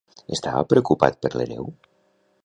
Estava preocupat per l'hereu?